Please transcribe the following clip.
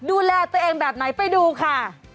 ดูแลตัวเองแบบไหนไปดูค่ะ